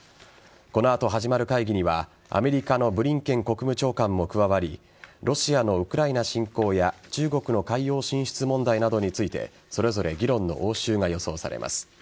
この後始まる会議にはアメリカのブリンケン国務長官も加わりロシアのウクライナ侵攻や中国の海洋進出問題などについてそれぞれ議論の応酬が予想されます。